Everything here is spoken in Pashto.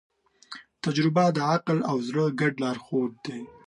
تجربه د عقل او زړه ګډ لارښود دی.